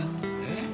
えっ？